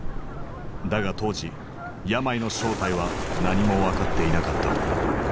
だが当時病の正体は何も分かっていなかった。